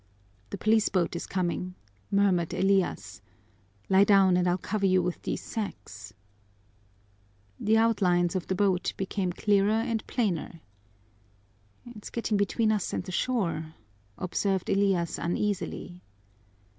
"The police boat is coming," murmured Elias. "Lie down and I'll cover you with these sacks." The outlines of the boat became clearer and plainer. "It's getting between us and the shore," observed Elias uneasily.